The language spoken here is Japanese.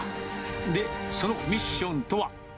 で、そのミッションとは。